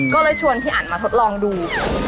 ก็เลยชวนพี่อันมาทดลองดู